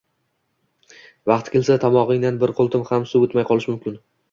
vaqti kelsa, tomog‘idan bir qultum ham suv o‘tmay qolishi mumkin.